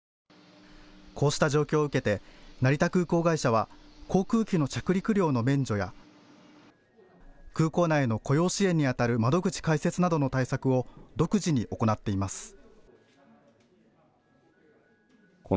こうした状況を受けて成田空港会社は航空機の着陸料の免除や空港内の雇用支援にあたる窓口開設などの対策を独自に行っています。